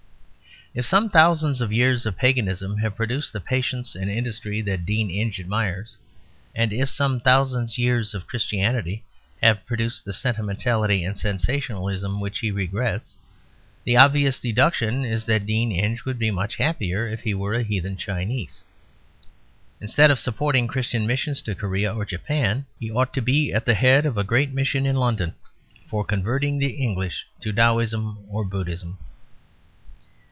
If some thousands of years of paganism have produced the patience and industry that Dean Inge admires, and if some thousand years of Christianity have produced the sentimentality and sensationalism which he regrets, the obvious deduction is that Dean Inge would be much happier if he were a heathen Chinese. Instead of supporting Christian missions to Korea or Japan, he ought to be at the head of a great mission in London for converting the English to Taoism or Buddhism.